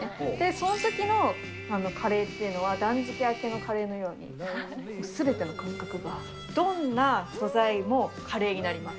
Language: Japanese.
そのときのカレーっていうのは、断食明けのカレーのように、すべての感覚が、どんな素材もカレーになります。